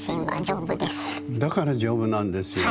だから丈夫なんですよ。